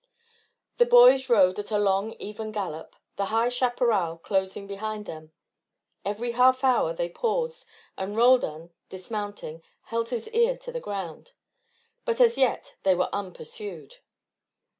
The boys rode at a long even gallop, the high chaparral closing behind them. Every half hour they paused, and Roldan, dismounting, held his ear to the ground. But as yet they were unpursued.